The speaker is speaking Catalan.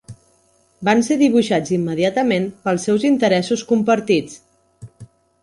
Van ser dibuixats immediatament pels seus interessos compartits.